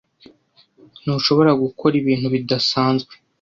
Ntushobora gukora ibintu bidasanzwe?